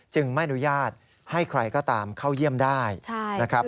ไม่อนุญาตให้ใครก็ตามเข้าเยี่ยมได้นะครับ